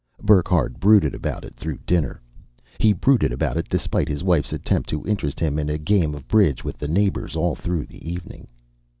Burckhardt brooded about it through dinner. He brooded about it, despite his wife's attempt to interest him in a game of bridge with the neighbors, all through the evening.